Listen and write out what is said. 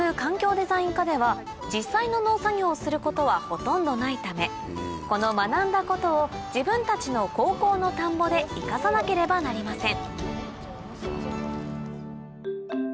デザイン科では実際の農作業をすることはほとんどないためこの学んだことを自分たちの高校の田んぼで生かさなければなりません